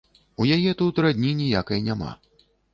У яе тут радні ніякай няма.